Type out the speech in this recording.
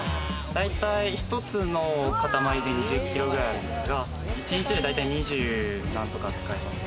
大体１つの塊で２０キロくらいあるんですが、１日で大体、２０何とか使います。